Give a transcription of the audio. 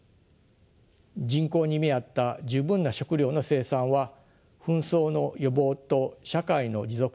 人口に見合った十分な食糧の生産は紛争の予防と社会の持続的発展に欠かせません。